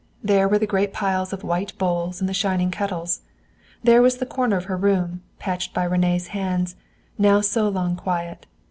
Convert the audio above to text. There were the great piles of white bowls and the shining kettles. There was the corner of her room, patched by René's hands, now so long quiet.